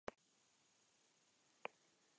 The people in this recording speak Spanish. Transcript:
Existe un museo de estudios regionales, y un hospital.